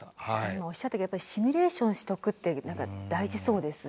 今おっしゃったけどシミュレーションしとくって大事そうですよね。